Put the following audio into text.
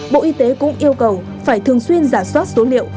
bộ y tế cũng yêu cầu phải thường xuyên giả soát số liệu